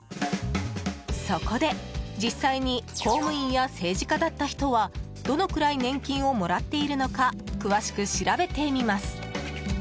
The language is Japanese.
そこで、実際に公務員や政治家だった人はどのくらい年金をもらっているのか詳しく調べてみます。